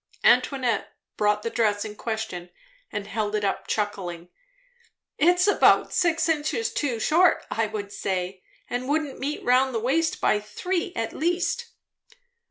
Antoinette brought the dress in question and held it up, chuckling. "It's about six inches too short, I should say, and wouldn't meet round the waist by three at least."